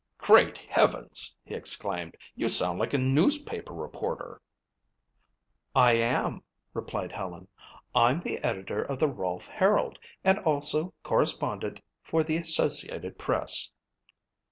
"Great heavens," he exclaimed. "You sound like a newspaper reporter." "I am," replied Helen. "I'm the editor of the Rolfe Herald and also correspondent for the Associated Press."